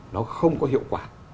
nó không có hiệu quả